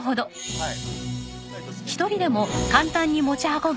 はい。